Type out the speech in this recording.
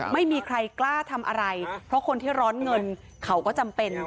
ไม่มีใครกล้าทำอะไรเพราะคนที่ร้อนเงินเขาก็จำเป็น